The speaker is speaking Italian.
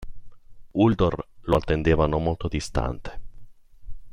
Uldor lo attendeva non molto distante.